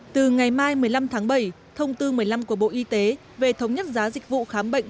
từ ngày mai một mươi năm tháng bảy thông tư một mươi năm của bộ y tế về thống nhất giá dịch vụ khám bệnh